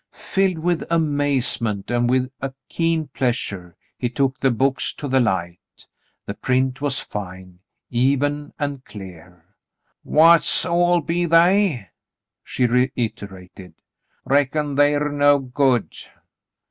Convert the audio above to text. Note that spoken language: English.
Filled with amaze David makes a Discovery 83 ment and with a keen pleasure, he took the books to the Hght. The print was fine, even, and clear. "What all be they?" she reiterated. "Reckon the're no good